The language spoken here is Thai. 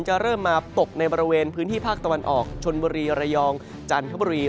จะเริ่มมาตกในบริเวณพื้นที่ภาคตะวันออกชนบุรีระยองจันทบุรี